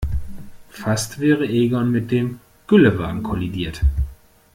Fast wäre Egon mit dem Güllewagen kollidiert.